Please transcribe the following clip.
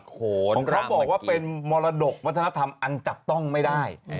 เขาบอกว่าเป็นมรดกวัฒนธรรมอันจับต้องไม่ได้